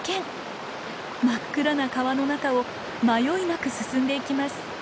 真っ暗な川の中を迷いなく進んでいきます。